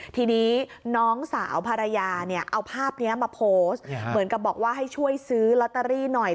ทีนี้น้องสาวภรรยาเนี่ยเอาภาพนี้มาโพสต์เหมือนกับบอกว่าให้ช่วยซื้อลอตเตอรี่หน่อย